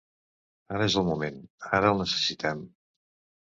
Ara és el moment, ara el necessitem.